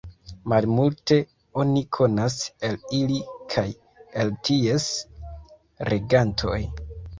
Malmulte oni konas el ili kaj el ties regantoj.